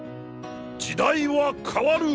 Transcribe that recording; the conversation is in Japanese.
時代は変わる！